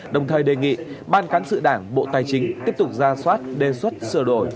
đồng thời đề nghị ban cán sự đảng bộ tài chính tiếp tục ra soát đề xuất sửa đổi